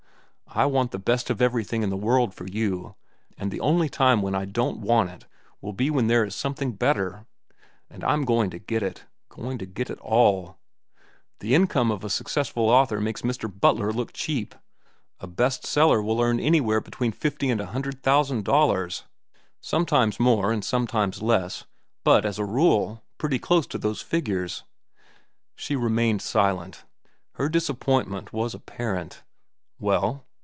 I want the best of everything in the world for you, and the only time when I won't want it will be when there is something better. And I'm going to get it, going to get all of it. The income of a successful author makes Mr. Butler look cheap. A 'best seller' will earn anywhere between fifty and a hundred thousand dollars—sometimes more and sometimes less; but, as a rule, pretty close to those figures." She remained silent; her disappointment was apparent. "Well?"